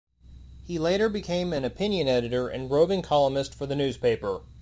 Later he became an opinion editor and roving columnist for the newspaper.